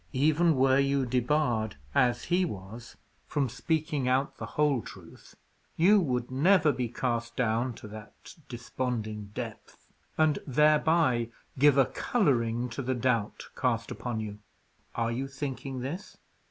Even were you debarred, as he was, from speaking out the whole truth, you would never be cast down to that desponding depth, and thereby give a colouring to the doubt cast upon you. Are you thinking this?